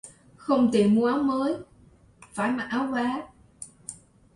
Không tiền mua áo mới phải mặc áo vá